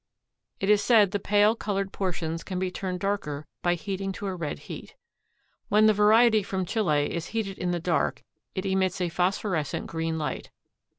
It is said the pale colored portions can be turned darker by heating to a red heat. When the variety from Chile is heated in the dark it emits a phosphorescent green light.